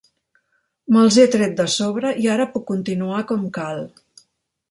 Me'ls he tret de sobre i ara puc continuar com cal.